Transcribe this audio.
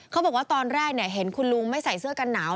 เขาบอกว่าตอนแรกเห็นคุณลุงไม่ใส่เสื้อกันหนาว